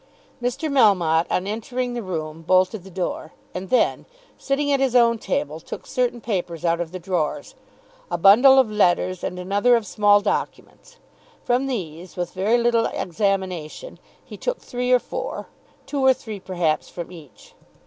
Mr. Melmotte, on entering the room bolted the door, and then, sitting at his own table, took certain papers out of the drawers, a bundle of letters and another of small documents. From these, with very little examination, he took three or four, two or three perhaps from each.